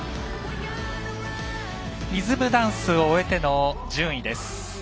リズムダンスを終えての順位です。